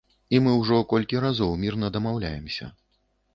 І мы ўжо колькі разоў мірна дамаўляемся.